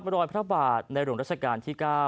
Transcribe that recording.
รอยพระบาทในหลวงราชการที่๙